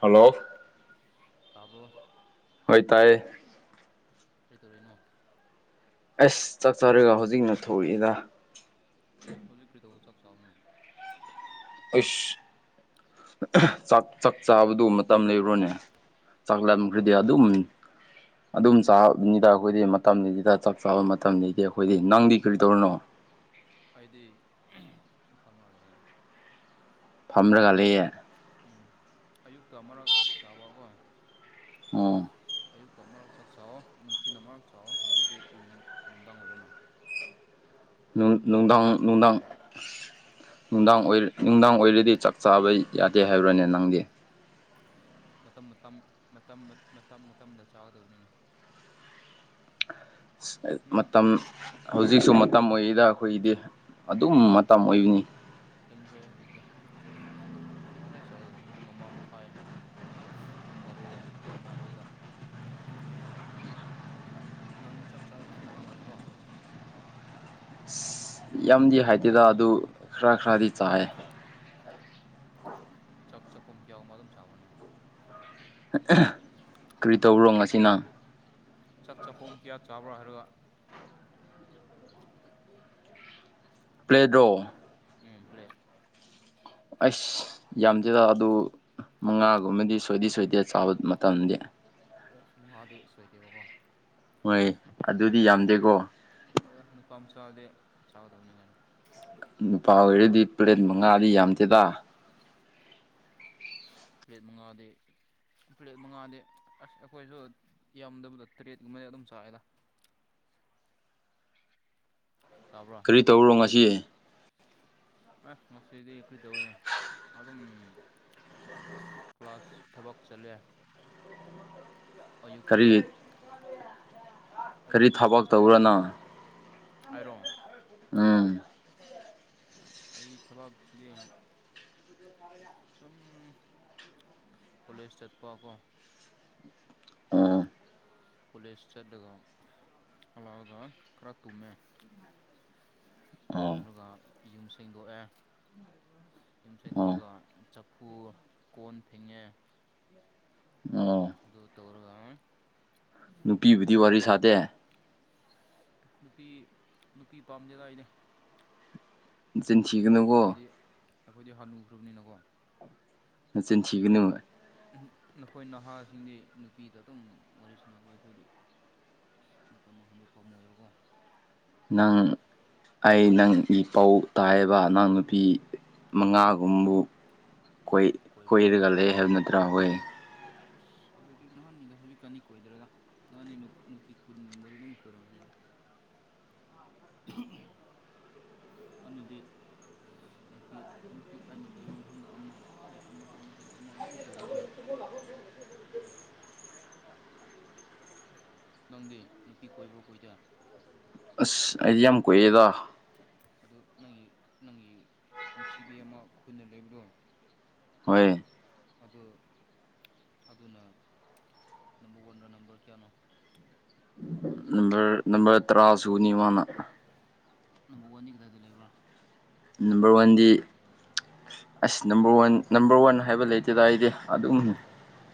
hello ꯇꯥꯕ꯭ꯔꯣ ꯑꯣꯏꯇꯥꯥꯏ ꯀꯩꯗꯧꯂꯤꯅꯣ ꯑꯁ ꯆꯠꯆꯔꯒ ꯍꯧꯖꯤꯛꯅ ꯊꯣꯛꯂꯛꯏꯗ ꯑꯦ ꯍꯧꯖꯤꯛ ꯀꯩꯗꯧꯕ ꯆꯞ ꯆꯥꯅ ꯑꯁ ꯆꯥꯛ ꯆꯥꯛ ꯆꯥꯕꯗꯨ ꯃꯇꯝ ꯂꯩꯔꯨꯅꯦ ꯆꯥꯛ ꯆꯥꯛꯂꯝꯂꯝꯈ꯭ꯔꯗꯤ ꯆꯥꯕꯁꯦ ꯑꯗꯨꯝ ꯑꯗꯨꯝ ꯆꯥꯕꯅꯤꯗ ꯑꯩꯈꯣꯏꯗꯤ ꯃꯇꯝꯁꯤꯗ ꯆꯞ ꯆꯥꯕ ꯃꯇꯝꯅꯤꯗꯤ ꯑꯩꯈꯣꯏꯗꯤ ꯅꯪꯗꯤ ꯀꯔꯤ ꯇꯧꯔꯤꯅꯣ ꯑꯩꯗꯤ ꯁꯨꯝ ꯐꯝꯅꯔꯦ ꯑꯅ ꯐꯝꯔꯒ ꯑꯌꯨꯛꯇ ꯂꯩꯌꯦ ꯎꯝ ꯑꯌꯨꯛꯇ ꯑꯃꯛ ꯆꯥꯕꯀꯣ ꯑꯣ ꯑꯌꯨꯛꯇ ꯑꯃꯔꯛ ꯆꯥꯛ ꯆꯋꯣ ꯅꯨꯡꯊꯤꯜ ꯑꯃꯛ ꯆꯥꯛꯋꯣ ꯍꯧꯖꯤꯛꯇꯤ ꯏꯚꯤꯅꯤꯡ ꯅꯨꯡꯗꯥꯡ ꯑꯣꯏꯔꯅꯣ ꯅꯨꯡꯗꯥꯡ ꯃꯇꯝ ꯅꯨꯡꯗꯥꯟ ꯂꯩꯇ꯭ꯔꯦꯕ ꯅꯨꯡꯗꯥꯡ ꯑꯣꯏ ꯅꯨꯡꯗꯥꯡ ꯑꯣꯏꯔꯗꯤ ꯆꯥꯛ ꯆꯥꯕ ꯌꯥꯗꯦ ꯍꯥꯏꯕ꯭ꯔꯥꯅꯦ ꯅꯪꯗꯤ ꯃꯇꯝ ꯃꯇꯝ ꯃꯇꯝꯗ ꯆꯥꯒꯗꯕꯅꯤꯅ ꯅꯪ ꯃꯇꯝ ꯍꯧꯖꯤꯛꯁꯨ ꯃꯇꯝ ꯑꯣꯏꯔꯤꯗ ꯑꯩꯈꯣꯏꯒꯤꯗꯤ ꯑꯗꯨꯝ ꯃꯇꯝ ꯑꯣꯏꯕꯅꯤ ꯇꯟꯈꯔ꯭ꯦꯗꯥ ꯉꯁꯥꯏ ꯆꯥꯒꯗꯕꯅꯤ ꯄꯨꯡ ꯑꯃ ꯃꯈꯥꯏ ꯄꯨꯡ ꯕꯥꯔꯣ ꯄꯨꯡ ꯑꯃ ꯑꯗꯨꯋꯥꯏꯗ ꯅꯪ ꯆꯥꯛ ꯆꯥꯕ ꯌꯥꯝ ꯍꯥꯏꯕ ꯃꯥꯜꯂꯦꯀꯣ ꯌꯥꯝꯗꯤ ꯍꯥꯏꯗꯦꯗ ꯑꯗꯨ ꯈꯔ ꯈꯔꯗꯤ ꯆꯥꯏ ꯆꯥꯛ ꯆꯥꯛꯐꯝ ꯀꯌꯥ ꯑꯃ ꯑꯗꯨꯝ ꯆꯥꯎꯔꯅ ꯀꯔꯤ ꯇꯧꯔꯣ ꯑꯁꯤꯅ ꯆꯥꯛ ꯆꯥꯛꯈꯣ ꯀꯌꯥ ꯆꯥꯕ꯭ꯔꯥ ꯍꯥꯏꯔꯒ ꯄ꯭ꯂꯦꯗꯣ ꯎꯝ ꯄ꯭ꯂꯦꯠ ꯑꯁ ꯌꯥꯝꯗꯦꯗ ꯑꯗꯨ ꯃꯉꯥꯒꯨꯝꯕꯗꯤ ꯁꯣꯏꯗꯤ ꯁꯣꯏꯗꯦ ꯆꯥꯕ ꯃꯇꯝꯗꯤ ꯑꯣ ꯃꯣꯉꯥꯗꯤ ꯁꯣꯏꯗꯦꯕꯀꯣ ꯍꯣꯏ ꯑꯗꯨꯗꯤ ꯌꯥꯝ ꯌꯥꯝꯗꯦꯀꯣ ꯍꯣꯏꯗ ꯅꯨꯄꯥ ꯃꯆꯥꯗꯤ ꯆꯥꯒꯗꯕꯅꯤ ꯀꯩꯅꯣ ꯅꯨꯄꯥ ꯑꯣꯏꯔꯗꯤ ꯄ꯭ꯂꯦꯠ ꯃꯉꯥꯗꯤ ꯌꯥꯝꯗꯦꯗ ꯃꯉꯥꯗ ꯄ꯭ꯂꯦꯠ ꯃꯉꯥꯗꯤ ꯑꯁ ꯑꯩꯈꯣꯏꯁꯨ ꯌꯥꯝꯗꯕꯗ ꯇꯔꯦꯠꯀꯨꯝꯕꯗꯤ ꯑꯗꯨꯝ ꯆꯥꯏꯦꯗ ꯇꯥꯕ꯭ꯔ ꯀ ꯇꯧꯔꯣ ꯉꯁꯤ ꯑꯦꯁ ꯃꯁꯤꯗꯤ ꯀꯨꯔꯤ ꯇꯧꯅꯦ ꯑꯗꯨꯝ ꯀ꯭ꯂꯥꯁ ꯊꯕꯛ ꯆꯠꯂꯦ ꯑꯌꯨꯛꯇ ꯀꯔꯤ ꯀꯔꯤ ꯑꯌꯨꯛꯇ ꯆꯞ ꯊꯕꯛ ꯇꯧꯕ꯭ꯔꯥ ꯆꯔꯒ ꯅꯪ ꯍꯥꯏꯔꯣ ꯎꯝ ꯑꯩ ꯊꯕꯛꯁꯤꯗꯤ ꯁꯨꯝ ꯀꯣꯂꯦꯖ ꯆꯠꯄ ꯀꯣ ꯑꯣ ꯀꯣꯂꯦꯖ ꯆꯠꯂꯒ ꯍꯜꯂꯛꯑꯒ ꯈꯔ ꯇꯨꯝꯃꯦ ꯑꯣ ꯇꯨꯝꯂꯒ ꯌꯨꯝ ꯁꯦꯡꯗꯣꯛꯑꯦ ꯌꯨꯝ ꯑꯣ ꯁꯩꯗꯣꯛꯣꯔꯒ ꯆꯐꯨ ꯀꯣꯟ ꯐꯦꯡꯉꯦ ꯑꯣ ꯑꯗꯨ ꯇꯧꯔꯒ ꯈꯔ ꯅꯨꯄꯤꯕꯨꯗꯤ ꯀꯣꯏꯕ ꯋꯥꯔꯤ ꯆꯠꯂꯦ ꯁꯥꯗꯦ ꯅꯨꯄꯤ ꯅꯨꯄꯤ ꯄꯥꯝꯖꯦꯗꯏꯅꯦ ꯆꯤꯟꯁꯤꯒꯅꯀꯣ ꯑꯩꯈꯣꯏꯗꯤ ꯑꯩꯈꯣꯏꯗꯤ ꯍꯥꯟꯅꯨꯈ꯭ꯔꯕꯅꯤꯅꯀꯣ ꯅꯆꯤꯟ ꯅꯈꯣꯏ ꯊꯤꯒꯅꯨ ꯅꯈꯣꯏ ꯅꯍꯥꯁꯤꯡꯗꯤ ꯅꯨꯄꯤꯗ ꯑꯗꯨꯝ ꯋꯥꯔꯤ ꯁꯥꯟꯅꯕ ꯑꯩꯈꯣꯏꯗꯤ ꯃꯇꯝ ꯃꯥꯡꯍꯟꯕ ꯄꯝ ꯑꯣꯏꯕꯒꯣ ꯅꯪ ꯑꯩ ꯅꯪꯒꯤ ꯄꯧ ꯇꯥꯏꯕ ꯑꯉꯥꯡ ꯅꯨꯄꯤ ꯃꯉꯥꯒꯨꯝꯕꯨ ꯀꯣꯏ ꯀꯣꯏꯕ ꯀꯣꯏꯔꯒ ꯂꯩ ꯍꯥꯏꯕ ꯅꯠꯇ꯭ꯔꯥ ꯑꯩꯈꯣꯏ ꯑꯁ ꯑꯗꯨꯗꯤ ꯅꯍꯥꯟꯅꯤꯗꯣ ꯍꯧꯖꯤꯛꯀꯥꯟꯅꯤ ꯀꯣꯏꯗꯔꯦꯗ ꯅꯍꯥꯟꯅꯤ ꯅꯨꯄꯤ ꯀꯨꯟꯕ ꯑꯗꯨꯝ ꯀꯣꯏꯔꯝꯃꯅꯤꯗ ꯑꯗꯤ ꯅꯨꯄꯤ ꯅꯨꯄꯤ ꯑꯩꯅ ꯂꯩꯕ ꯃꯐꯝꯗ ꯑꯃ ꯑꯗ ꯑꯃ ꯑꯃ ꯑꯃ ꯑꯃ ꯑꯗꯨꯝ ꯀꯣꯏꯕꯒꯣ ꯅꯪꯗꯤ ꯅꯨꯄꯤ ꯀꯣꯏꯕ꯭ꯔꯣ ꯀꯣꯏꯗ ꯑ ꯑꯩ ꯑꯃꯀꯣꯏꯦꯗ ꯑꯗꯨ ꯅꯪꯒꯤ ꯅꯪꯒꯤ ꯅꯨꯡꯁꯤꯕꯤ ꯑꯃ ꯈꯨꯅ ꯂꯩꯕꯗꯣ ꯍꯣꯏ ꯑꯗꯣ ꯑꯗꯨꯅ ꯅꯝꯕꯔ ꯋꯥꯟꯗ ꯅꯝꯕꯔ ꯀꯌꯥꯅꯣ ꯅꯝꯕ ꯅꯝꯕ ꯇ꯭ꯔꯥ ꯁꯨꯅꯤ ꯋꯥꯅ ꯅꯝꯕꯔ ꯋꯥꯟꯅꯤ ꯀꯗꯥꯏꯗ ꯂꯩꯕ꯭ꯔꯥ ꯅꯝꯕꯔ ꯋꯥꯟꯗꯤ ꯑꯁ ꯅꯝꯕꯔ ꯋꯥꯟ ꯅꯝꯕꯔ ꯋꯥꯟ ꯍꯥꯏꯕ ꯂꯩꯇꯦꯗ ꯑꯩꯗꯤ ꯑꯗꯨꯝ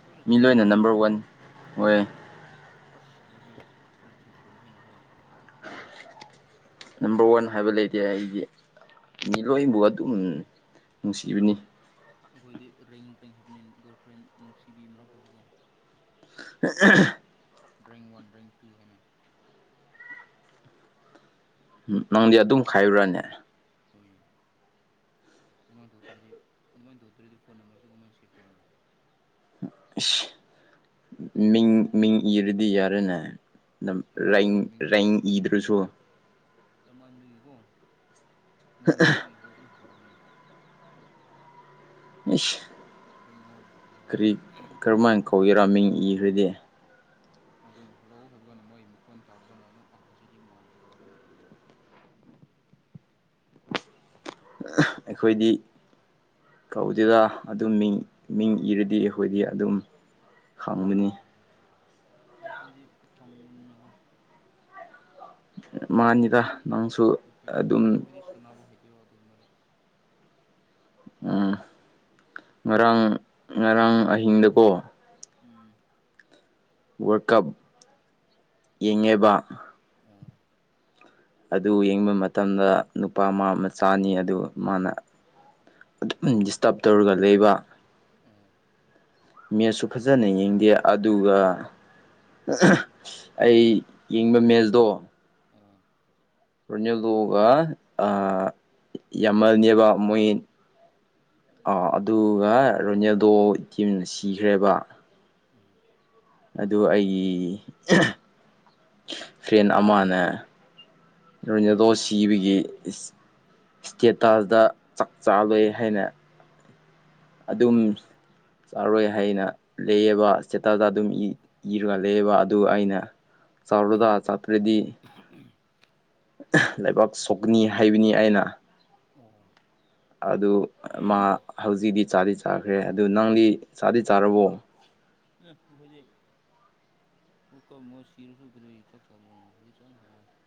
ꯂꯣꯏꯅ ꯃꯤ ꯆꯞ ꯂꯣz ꯏꯅ ꯃꯥꯟꯅꯅ ꯅꯝꯕꯔ ꯋꯥꯟ ꯅꯨꯡꯁꯤꯕ꯭ꯔꯣ ꯍꯣꯏ ꯑꯁ ꯑꯗꯨꯗꯤ ꯅꯪ ꯆꯤꯟꯊꯌꯅꯨ ꯍꯥꯏ ꯍꯕ ꯅꯝꯕꯔ ꯋꯥꯟ ꯍꯥꯏꯕ ꯂꯩꯇꯦ ꯑꯩꯗꯤ ꯃꯤ ꯂꯣꯏꯅꯕꯨ ꯑꯗꯨꯝ ꯅꯨꯡꯁꯤꯕꯅꯤ ꯑꯩꯈꯣꯏꯗꯤ ꯔꯦꯡ ꯔꯦꯡ ꯍꯥꯞꯄꯅꯤ ꯒꯔꯜꯐ꯭ꯔꯦꯟ ꯅꯨꯡꯁꯤꯕꯤ ꯃꯔꯛꯇꯁꯨ ꯀꯣ [unintelligible] ꯔꯔꯤ ꯋꯥꯟ ꯔꯔꯤ ꯇꯨ ꯍꯅ ꯝ ꯅꯪꯗꯤ ꯑꯗꯨꯝ ꯈꯥꯏꯔꯨꯔꯅꯦ ꯍꯣꯏ ꯌꯥ ꯑꯗꯨꯃꯥꯏꯅ ꯇꯧꯗ꯭ꯔꯗꯤ ꯑꯗꯨꯃꯥꯏꯅ ꯇꯧꯗꯔꯗꯤ ꯐꯣꯟ ꯅꯝꯕꯔꯁꯨ ꯀꯃꯥꯏꯅ ꯁꯦꯞ ꯇꯧꯒꯅꯤ ꯏꯁ ꯃꯤꯡ ꯃꯤꯡ ꯏꯔꯗꯤ ꯌꯥꯔꯦꯅꯦ ꯝ ꯔ ꯌꯥꯝꯃꯟꯕꯒꯤ ꯔꯤꯡ ꯏꯗ꯭ꯔꯁꯨ ꯌꯥꯝꯞ ꯃꯟꯕꯤꯒꯤꯀꯣ ꯃꯤꯡꯁꯨ ꯏꯕꯗꯣ ꯑꯗꯨꯝ ꯀꯧꯕꯅꯤ ꯑ ꯔꯔꯤꯣꯟ ꯍꯦ ꯀꯔꯤ ꯀꯔꯝꯍꯥꯏꯅ ꯀꯧꯒꯦꯔ ꯃꯤꯡ ꯏꯈ꯭ꯔꯗꯤ ꯑꯗꯨ ꯍꯜꯂꯛꯎ ꯍꯥꯏꯕ ꯀꯥꯟꯗ ꯃꯣꯏ ꯃꯈꯣꯟ ꯇꯥꯕ ꯀꯥꯟꯗ ꯑꯗꯨꯝ ꯑ ꯑꯁꯤꯗꯤ ꯃꯥꯥꯟꯜꯂꯤ ꯍꯥꯏꯕꯗ ꯑꯗꯨꯝ ꯈꯪꯅꯤꯕ ꯑꯩꯈꯣꯏꯗꯤ ꯀꯧꯗꯦꯗ ꯑꯗꯨꯝ ꯃꯤꯡ ꯃꯤꯡ ꯏꯔꯗꯤ ꯑꯩꯈꯣꯏꯗꯤ ꯑꯗꯨꯝ ꯈꯥꯡꯃꯤꯅꯤ ꯅꯈꯣꯏꯗꯤ ꯐꯪꯕꯅꯤꯅꯀꯣ ꯃꯥꯅꯤꯗ ꯅꯪ ꯑꯩꯣꯏꯗꯤ ꯃꯈꯈꯣꯏꯗꯤ ꯁꯥꯟꯅꯕ ꯍꯩꯕꯤꯔꯣ ꯑꯗꯨꯒꯨꯝꯕꯗꯣ ꯎꯝ ꯉꯔꯥꯡ ꯉꯔꯥꯡ ꯑꯍꯤꯡꯗꯀꯣ ꯎꯝ ꯋꯥꯔꯜ ꯀꯞ ꯌꯦꯡꯉꯦꯕ ꯑ ꯑꯗꯨ ꯌꯦꯡꯕ ꯃꯇꯝꯗ ꯅꯨꯄꯥ ꯑꯃ ꯃꯆꯥꯅꯤ ꯑꯗꯨ ꯃꯥꯅ ꯑꯗꯨꯝ ꯗꯤꯁꯇꯔꯕ ꯇꯧꯔꯒ ꯂꯩꯕ ꯎꯝ ꯃꯦꯠꯁꯨ ꯐꯖꯅ ꯌꯦꯡꯗꯦ ꯑꯗꯨꯒ ꯑꯩ ꯌꯦꯡꯕ ꯃꯦꯜꯗꯣ ꯑꯝ ꯔꯣꯅꯥꯜꯗꯣꯒ ꯑ ꯌꯥꯝꯃꯜꯅꯦꯕ ꯃꯣꯏ ꯑ ꯑꯗꯨꯒ ꯔꯣꯅꯦꯜꯗꯣ ꯇꯤꯝ ꯁꯤꯈ꯭ꯔꯦꯕ ꯎꯝ ꯑꯗꯨ ꯑꯩꯒꯤ ꯐ꯭ꯔꯦꯟ ꯑꯃꯅ ꯔꯣꯅꯦꯜꯗꯣ ꯁꯤꯕꯒꯤ ꯏꯁꯇꯦꯇꯥꯁꯇ ꯆꯥꯛ ꯆꯥꯂꯣꯏ ꯍꯥꯏꯅ ꯑꯗꯨꯝ ꯆꯥꯔꯣꯏ ꯍꯥꯏꯅ ꯂꯩꯑꯕ ꯏꯁꯇꯦꯇꯁꯗ ꯑꯗꯨꯝ ꯏꯔꯒ ꯂꯩꯑꯕ ꯑꯗꯨ ꯑꯩꯅ ꯆꯥꯔꯣꯗ ꯆꯥꯇ꯭ꯔꯗꯤ [unintelligible] ꯂꯩꯕꯥꯛ ꯁꯣꯛꯅꯤ ꯍꯥꯏꯕꯅꯤ ꯑꯩꯅ ꯑꯣ ꯑꯗꯨ ꯃꯥ ꯍꯧꯖꯤꯛꯇꯤ ꯆꯥꯗꯤ ꯆꯥꯈ꯭ꯔꯦ ꯑꯗꯨ ꯅꯪꯗꯤ ꯆꯥꯗꯤ ꯆꯥꯔꯕꯣ ꯎꯝ ꯑꯩꯈꯣꯏꯗꯤ ꯎꯔꯛꯣ ꯃꯣꯏ ꯁꯤꯔꯁꯨ ꯀꯔꯤꯒꯤ [unintelligible]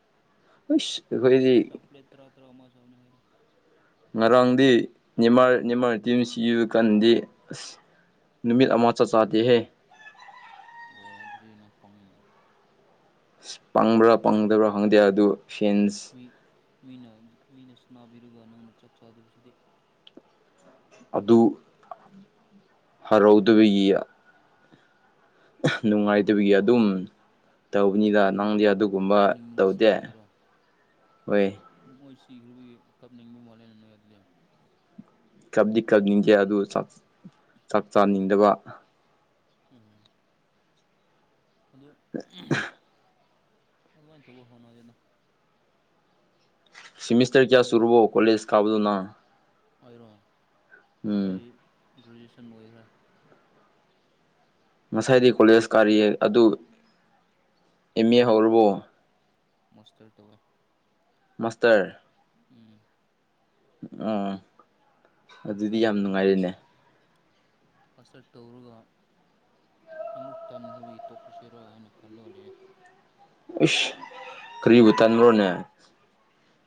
ꯑꯁ ꯑꯩꯈꯣꯏꯗꯤ ꯇ꯭ꯔ [unintelligible] ꯉꯔꯥꯡꯗꯤ ꯅꯦꯃꯥꯔ ꯅꯤꯃꯥꯔꯇꯤꯝ ꯁꯤꯕ ꯀꯥꯟꯗꯤ ꯑꯁ ꯅꯨꯃꯤꯠ ꯑꯃ ꯆꯥꯛ ꯆꯥꯗꯦꯍꯦ ꯑꯣ ꯑꯗꯨꯗꯤ ꯅꯪ ꯄꯥꯡꯉꯦꯅꯦ ꯑꯂꯡꯄꯪꯕ꯭ꯔꯥ ꯄꯪꯗꯕ꯭ꯔꯥ ꯈꯪꯗꯦ ꯑꯗꯨ ꯐꯦꯟꯁ ꯃꯤ ꯃꯤꯅ ꯃꯤꯅꯁꯥꯅꯥꯕꯤꯔꯒ ꯅꯪꯅ ꯆꯥꯛ ꯆꯥꯗꯕꯁꯤꯗꯤ ꯑꯗꯨ ꯍꯔꯧꯗꯕꯒꯤ ꯅꯨꯡꯉꯥꯏꯇꯕꯒꯤ ꯑꯗꯨꯝ ꯇꯧꯕꯅꯤꯗ ꯄꯨꯛꯅꯤꯡ ꯅꯪꯗꯤ ꯑꯗꯨꯒꯨꯝꯕ ꯄꯨꯛꯅꯤꯡ ꯇꯧꯗꯦ ꯅꯨꯡꯁꯤꯕꯒꯤꯔꯣ ꯍꯣꯏ ꯃꯣꯏ ꯁꯤꯈ꯭ꯔꯕꯒꯤ ꯀꯞꯅꯤꯡꯕ ꯃꯥꯜꯂꯦꯅ ꯅꯣꯏ ꯑꯗꯨꯗꯤ ꯀꯞꯗꯤ ꯀꯞꯅꯤꯡꯗꯦ ꯑꯗꯨ ꯆꯥꯛ ꯆꯥꯅꯤꯡꯗꯕ ꯎꯝ ꯑꯗꯨ ꯑꯗꯨꯃꯥꯏꯅ ꯇꯧꯕ ꯍꯣꯠꯅꯗꯅꯣ ꯁꯤꯃꯤꯁꯇꯔ ꯀꯌꯥ ꯃꯣꯏꯒꯤ ꯁꯨꯔꯕꯣ ꯀꯣꯂꯦꯖ ꯀꯥꯕꯗꯨ ꯅꯪ ꯑꯩꯔꯣ ꯎꯝ ꯑꯩ ꯒ꯭ꯔꯦꯖꯨꯌꯦꯁꯟ ꯂꯣꯏꯈ꯭ꯔꯦ ꯉꯁꯥꯏꯗꯤ ꯀꯣꯂꯦꯖ ꯀꯥꯔꯤꯌꯦ ꯑꯗꯨ ꯑꯦꯝ ꯑꯦ ꯍꯧꯔꯕꯣ ꯃꯣꯁꯇꯔ ꯇꯧꯋꯦ ꯃꯥꯁꯇꯔ ꯎꯝ ꯑꯥ ꯃꯥꯁꯇꯔ ꯇꯧꯔꯒ ꯃꯥꯁꯇꯔ ꯇꯧꯔꯒ ꯑꯃꯨꯛ ꯇꯟꯈ꯭ꯔꯕꯒꯤ ꯇꯣꯛꯈ꯭ꯔꯁꯤꯔꯥ ꯍꯥꯏꯅ ꯈꯜꯂꯒ ꯂꯩꯔꯦ ꯏꯁ ꯀꯔꯤꯕꯨ ꯇꯟꯕ꯭ꯔꯣꯅꯦ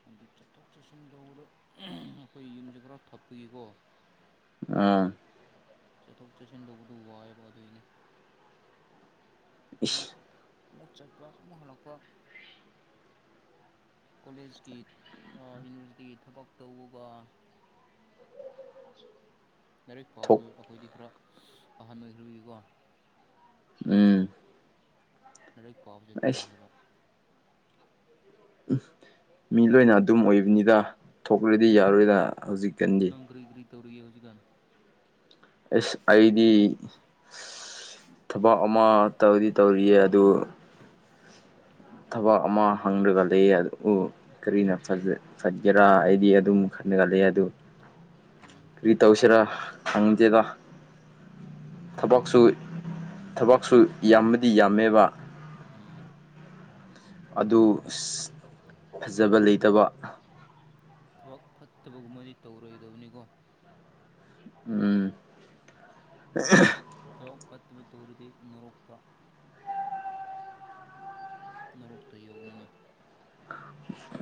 ꯑꯗꯨ ꯆꯠꯊꯣꯛ ꯆꯠꯁꯤꯟ ꯇꯧꯕꯗ [unintelligible] ꯑꯩꯈꯣꯏ ꯌꯨꯝꯁꯦ ꯈꯔ ꯊꯞꯄꯒꯤꯀꯣ ꯑꯥ ꯆꯠꯊꯣꯛ ꯆꯠꯁꯤꯟ ꯇꯧꯕꯗꯨ ꯋꯥꯏꯑꯦꯕ ꯑꯗꯨꯏꯅꯦ ꯑꯃꯨꯛ ꯏꯁ ꯑꯃꯨꯛ ꯆꯠꯄ ꯑꯃꯨꯛ ꯍꯜꯂꯛꯄ ꯀꯣꯂꯦꯖꯀꯤ ꯑ ꯌꯨꯅꯤꯚꯔꯁꯤꯇꯤꯒꯤ ꯊꯕꯛ ꯇꯧꯕꯒ ꯂꯥꯏꯔꯤꯛ ꯊꯣꯛ ꯄꯥꯕꯗꯣ ꯑꯩꯈꯣꯏꯗꯤ ꯈꯔ ꯑꯍꯟ ꯑꯣꯏ ꯈꯔꯕꯒꯤ ꯀꯣ ꯎꯝ ꯂꯥꯏꯔꯤꯛ ꯄꯥꯎꯕꯁꯦ ꯑꯩꯁ ꯇꯥꯟꯈ꯭ꯔꯕ ꯎ ꯃꯤ ꯂꯣꯏꯅ ꯑꯗꯨꯝ ꯑꯣꯏꯕꯅꯤꯗ ꯊꯣꯛꯂꯗꯤ ꯌꯥꯔꯣꯏꯗ ꯍꯧꯖꯤꯛꯀꯥꯟꯗꯤ ꯇꯧꯔꯤ ꯍꯧꯖꯤꯛꯒꯥꯟ ꯑꯦꯁ ꯑꯩꯗꯤ ꯊꯕꯛ ꯑꯃ ꯇꯧꯗꯤ ꯇꯧꯔꯤꯌꯦ ꯑꯗꯨ ꯊꯕꯛ ꯑꯃ ꯍꯪꯒ ꯂꯩꯌꯦ ꯑꯗꯨ ꯎ ꯀꯔꯤꯅ ꯐꯠꯒꯦꯔꯥ ꯑꯩꯗꯤ ꯑꯗꯨꯝ ꯈꯟꯅꯒ ꯂꯩꯌꯦ ꯑꯗꯨ ꯎꯝ ꯀꯔꯤ ꯇꯧꯁꯤꯔꯥ ꯈꯪꯗꯦꯗ ꯈꯜꯂꯣ ꯊꯕꯛꯁꯨ ꯈꯜꯂꯣ ꯊꯕꯛꯁꯨ ꯌꯥꯝꯕꯗꯤ ꯌꯥꯝꯃꯦꯕ ꯎꯝ ꯑꯗꯨ ꯐꯖꯕ ꯂꯩꯇꯕ ꯊꯕꯛ ꯐꯠꯇꯕꯒꯨꯝꯕꯗꯤ ꯇꯧꯔꯣꯏꯗꯕꯅꯤꯀꯣ ꯎꯝ ꯊꯕꯛ ꯐꯠꯇꯕ ꯇꯧꯔꯗꯤ ꯅꯣꯔꯣꯛꯇ ꯅꯔꯣꯛꯇ ꯌꯧꯕꯅꯤ ꯅꯪ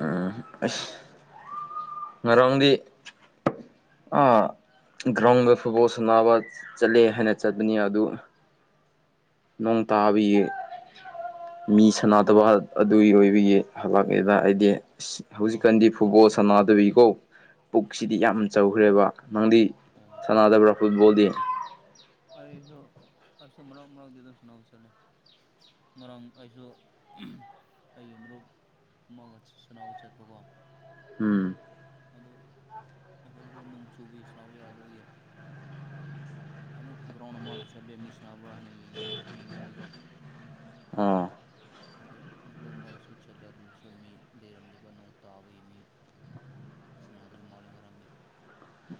ꯑꯝ ꯑ ꯉꯔꯥꯡꯗꯤ ꯑ ꯒ꯭ꯔꯥꯎꯟꯗ ꯐꯨꯠꯕꯣꯜ ꯁꯥꯟꯅꯕ ꯆꯠꯂꯦ ꯍꯥꯏꯅ ꯆꯠꯄꯅꯤ ꯑꯗꯨ ꯅꯣꯡ ꯇꯥꯕꯒꯤ ꯃꯤ ꯁꯥꯟꯅꯗꯕ ꯑꯗꯨꯒꯤ ꯑꯣꯏꯕꯒꯤ ꯍꯜꯂꯛꯑꯦꯗ ꯑꯩꯗꯤ ꯑ ꯀꯅꯥꯒ ꯍꯧꯖꯤꯛꯀꯥꯟꯗꯤ ꯆꯠꯄ꯭ꯔꯥ ꯐꯨꯠꯕꯣꯜ ꯁꯥꯟꯅꯗꯕꯤꯀꯣ ꯄꯨꯛꯁꯤꯗꯤ ꯌꯥꯝ ꯆꯥꯎꯈ꯭ꯔꯦꯕ ꯅꯪꯗꯤ ꯎꯝ ꯁꯅꯥꯗꯕ꯭ꯔ ꯐꯨꯠꯕꯣꯜꯗꯤ ꯑꯩꯗꯣ ꯑꯁꯨꯝ ꯃꯔꯛ ꯃꯔꯛꯇꯥꯗꯤ ꯁꯅꯥ ꯆꯠꯂꯦ ꯉꯥꯔꯥꯡ ꯑꯩꯁꯨ ꯑꯩꯒꯤ ꯃꯔꯨꯞ ꯑꯃꯒ ꯁꯅꯥꯕ ꯆꯠꯄꯀꯣ ꯎꯝ ꯑꯗꯨ ꯑꯩꯈꯣꯏꯁꯨ ꯅꯣꯡ ꯆꯨꯕꯒꯤ ꯁꯥꯅꯕ ꯌꯥꯗꯕꯒꯤ ꯑꯃꯨꯛ ꯒ꯭ꯔꯥꯎꯟ ꯑꯃꯗ ꯆꯠꯂꯦ ꯃꯤ ꯁꯅꯕ꯭ꯔꯥ ꯍꯥꯏꯅ ꯌꯦꯡꯅꯤꯡꯉꯥꯏꯀꯣ ꯑꯣ ꯑꯗꯨ ꯃꯐꯝ ꯑꯃꯗꯁꯨ ꯆꯠꯂꯦ ꯑꯗꯨꯁꯨ ꯃꯤ ꯂꯩꯔꯝꯗꯦꯕ ꯅꯣꯡ ꯇꯥꯕꯒꯤ ꯃꯤ ꯁꯅꯥꯕꯗ ꯃꯥꯂꯦ ꯉꯔꯥꯡꯗꯤ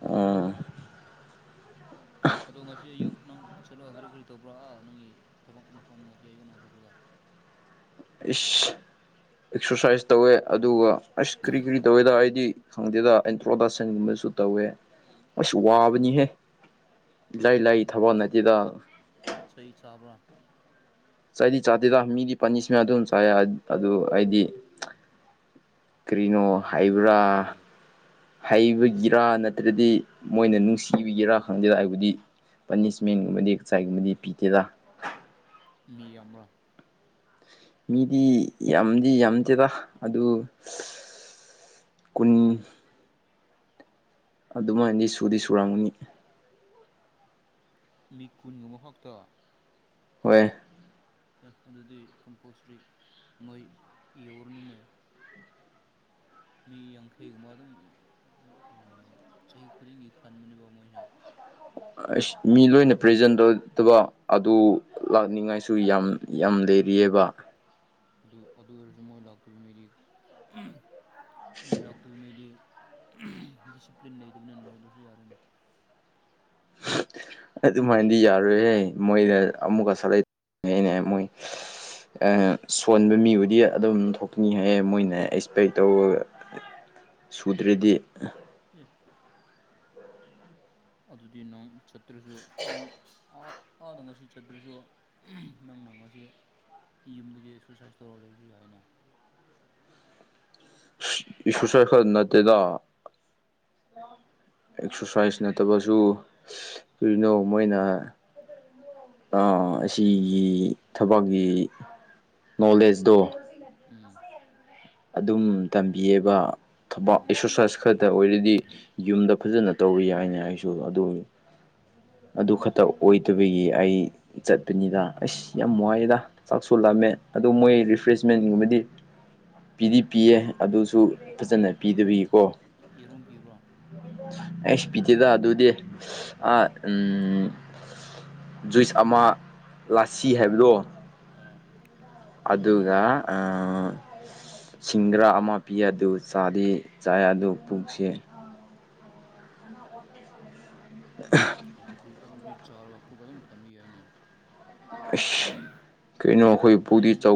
ꯑꯣ ꯑꯗꯣ ꯉꯁꯤ ꯑꯌꯨꯛ ꯅꯪ ꯆꯠꯂꯣ ꯀꯔꯤ ꯀꯔꯤ ꯇꯧꯕ꯭ꯔꯥ ꯅꯪꯒꯤ ꯊꯕꯛ ꯃꯐꯝ ꯉꯁꯤ ꯑꯌꯨꯛ ꯅꯪ ꯆꯠꯄꯗꯣ ꯏꯁ ꯑꯦꯛꯁꯔꯁꯥꯏꯁ ꯇꯧꯋꯦ ꯑꯗꯨꯒ ꯑꯁ ꯀꯔꯤ ꯀꯔꯤ ꯇꯧꯋꯦꯗ ꯑꯩꯗꯤ ꯈꯪꯗꯦꯗ ꯑꯦꯟꯇ꯭ꯔꯣꯗꯛꯁꯟꯒꯨꯝꯕꯁꯨ ꯇꯧꯋꯦ ꯑꯩꯁꯨ ꯋꯥꯕꯅꯤꯍꯦ ꯢꯔꯥꯢ ꯂꯥꯢ ꯑꯗꯣ ꯊꯥꯕꯛ ꯅꯠꯇꯦꯗ ꯆꯩ ꯆꯥꯕ꯭ꯔꯥ ꯆꯥꯏꯗꯤ ꯆꯥꯗꯦꯗ ꯃꯤꯗꯤ ꯄꯥꯅꯤꯁꯃꯦꯟ ꯑꯗꯨꯝ ꯆꯥꯏ ꯑꯗꯨ ꯑꯩꯗꯤ ꯀꯔꯤꯅꯣ ꯍꯥꯏꯕꯒꯤ ꯍꯥꯏꯕ꯭ꯔꯥ ꯍꯥꯏꯕꯒꯤ ꯍꯩꯕꯒꯤꯔꯥ ꯅꯠꯇ꯭ꯔꯗꯤ ꯃꯣꯏꯅ ꯅꯨꯡꯁꯤꯕꯒꯤꯔꯥ ꯈꯪꯗꯦ ꯍꯥꯏꯕꯗꯤ ꯄꯅꯤꯁꯃꯦꯟꯒꯨꯝꯕꯗꯤ ꯆꯩꯒꯨꯝꯕꯗꯤ ꯄꯤꯗꯦꯗꯦ ꯃꯤ ꯌꯥꯝꯕꯔꯣ ꯃꯤꯗꯤ ꯌꯥꯝꯗꯤ ꯌꯥꯝꯗꯦꯗ ꯑꯗꯨ ꯀꯨꯟ ꯑꯗꯨꯃꯥꯏꯅꯗꯤ ꯁꯨꯗꯤ ꯁꯨꯔꯝꯒꯅꯤ ꯃꯤ ꯀꯨꯟꯒꯨꯝꯕ ꯈꯛꯇ ꯍꯣꯏ ꯑꯗꯨꯗꯤ ꯀꯝꯄꯜꯁꯔꯤ ꯃꯣꯏ ꯌꯧꯔꯅꯤꯅ ꯃꯤ ꯌꯥꯡꯈꯩꯒꯨꯝꯕ ꯑꯗꯨꯝ ꯆꯍꯤ ꯈꯨꯗꯤꯡꯒꯤ ꯈꯟꯕꯅꯦꯕ ꯃꯣꯏꯁꯦ ꯑꯁ ꯃꯤ ꯂꯣꯏꯅ ꯄ꯭ꯔꯖꯦꯟ ꯑꯣꯏꯗꯕ ꯑꯗꯨ ꯂꯥꯛꯅꯤꯡꯉꯥꯏꯁꯨ ꯌꯥꯝ ꯌꯥꯝ ꯂꯩꯔꯤꯌꯦꯕ ꯑꯗꯨ ꯑꯗꯨ ꯑꯣꯏꯔꯁꯨ ꯃꯣꯏ ꯂꯥꯛꯇꯕ ꯃꯤꯗꯤ ꯃꯣꯏ ꯂꯥꯛꯇꯕꯉꯩꯗꯤ ꯗꯤꯁꯤꯄ꯭ꯂꯤꯟ ꯂꯩꯇꯕꯅꯤꯅ ꯂꯧꯥꯎꯗꯁꯨ ꯌꯥꯔꯦ ꯑꯗꯨꯃꯥꯏꯅꯗꯤ ꯌꯥꯔꯣꯏꯍꯦ ꯃꯣꯏꯗ ꯑꯃꯨꯛꯀ [unintelligible] [unintelligible] ꯃꯣꯏ ꯁꯣꯟꯕ ꯃꯤꯕꯨꯗꯤ ꯑꯗꯨꯝ ꯊꯣꯛꯅꯤ ꯍꯥꯏꯌꯦ ꯃꯣꯏꯅ ꯑꯦꯁꯄꯦꯛ ꯇꯧꯕꯥ [inaudible] ꯁꯨꯗ꯭ꯔꯗꯤ ꯌꯦ [unintelligible] ꯑꯗꯨꯗꯤ ꯅꯪ ꯆꯠꯇ꯭ꯔꯁꯨ ꯅꯪ [unintelligible] ꯑꯗꯣ ꯉꯁꯤ ꯆꯠꯇ꯭ꯔꯁꯨ ꯅꯪꯅ ꯉꯁꯤ ꯌꯨꯝꯗꯒꯤ ꯑꯦꯛꯁꯔꯁꯥꯏꯁ ꯇꯧꯔꯒ ꯂꯩꯔꯁꯨ ꯌꯥꯏ [unintelligible] ꯈꯛ ꯅꯠꯇꯦꯗ ꯑꯦꯛꯁꯔꯁꯥꯏꯁ ꯅꯠꯇꯕꯁꯨ ꯀꯔꯤꯅꯣ ꯃꯣꯏꯅ [unintelligible] ꯑꯁꯤꯒꯤ ꯊꯕꯛꯀꯤ ꯅꯣꯂꯦꯖꯇꯣ ꯎꯝ ꯑꯗꯨꯝ ꯇꯝꯕꯤꯌꯦꯕ ꯊꯕꯛ ꯎꯝ ꯑꯦꯛꯁꯔꯁꯥꯏꯁ ꯈꯔꯛꯇ ꯑꯣꯏꯔꯗꯤ ꯌꯨꯝꯗ ꯐꯖꯅ ꯇꯧꯕ ꯌꯥꯏꯅꯦ ꯑꯩꯁꯨ ꯑꯗꯨ ꯑꯗꯨ ꯎꯝ ꯈꯛꯇ ꯑꯣꯏꯗꯕꯒꯤ ꯑꯩ ꯆꯠꯄꯅꯤꯗ ꯑꯩꯁ ꯌꯥꯝ ꯋꯥꯏꯌꯦꯗ ꯆꯥꯛꯁꯨ ꯂꯥꯝꯃꯦ ꯑꯗꯣ ꯃꯣꯏ ꯔꯤꯐ꯭ꯔꯦꯁꯃꯦꯟꯒꯨꯝꯕꯗꯤ ꯄꯤꯗꯤ ꯄꯤꯌꯦ ꯑꯗꯨꯁꯨ ꯐꯖꯅ ꯌꯦꯔꯨꯝ ꯄꯤꯗꯕꯤꯀꯣ ꯌꯦꯔꯨꯝ ꯄꯤꯕ꯭ꯔꯣ ꯑꯣ ꯑꯩꯁ ꯄꯤꯗꯦꯗ ꯑꯗꯨꯗꯤ ꯑ ꯎꯝ ꯖꯨꯏꯁ ꯑꯃ ꯂꯥꯁꯤ ꯍꯥꯏꯕꯗꯣ ꯎꯝ ꯎꯝ ꯑꯗꯨꯒ ꯁꯤꯡꯒ꯭ꯔꯥ ꯑꯃ ꯄꯤ ꯑꯗꯨ ꯆꯥꯔꯤ ꯆꯥꯏ ꯑꯗꯨ ꯄꯨꯛꯁ [unintelligible] ꯑꯗꯨꯗꯤ ꯑꯗꯨꯗꯤ ꯆꯥꯔ ꯄꯨꯛꯀ ꯑꯗꯨꯝ ꯊꯟꯕ ꯌꯥꯏꯅꯦ ꯀꯩꯅꯣ ꯑꯩꯈꯣꯏ ꯄꯨꯕꯨꯗꯤ ꯍꯌꯦꯡꯁꯨ ꯆꯧ